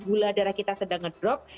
gula darah kita sedang ngedrop